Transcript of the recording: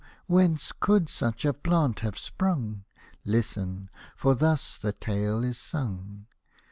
whence could such a plant have sprung ? Listen, — for thus the tale is sung.